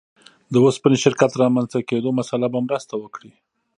د اوسپنې شرکت د رامنځته کېدو مسأله به مرسته وکړي.